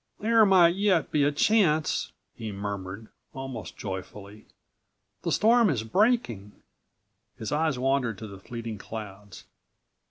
"There might yet be a chance," he murmured, almost joyfully; "the storm is breaking." His eyes wandered to the fleeting clouds.